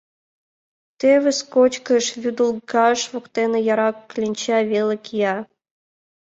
Тевыс, кочкыш вӱдылкаж воктене яра кленча веле кия.